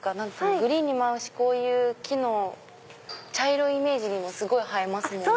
グリーンにも合うしこういう木の茶色いイメージにもすごい映えますもんね。